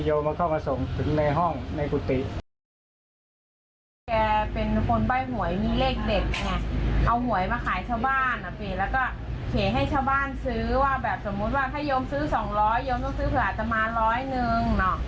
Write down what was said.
สมมุติว่าถ้ายมซื้อสองร้อยยมจะซื้อเผื่ออาจจะมาร้อยหนึ่ง